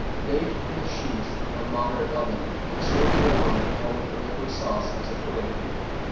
Bake in a sheet in a moderate oven and serve warm or with a liquid sauce as a pudding.